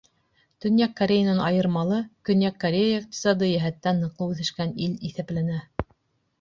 Төньяҡ Кореянан айырмалы, Көньяҡ Корея иҡтисади йәһәттән ныҡлы үҫешкән ил иҫәпләнә.